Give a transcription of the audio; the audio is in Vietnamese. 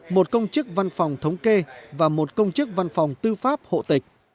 một công chức văn phòng thống kê và một công chức văn phòng tư pháp hộ tịch